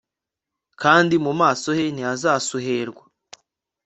kandi mu maso he ntihazasuherwa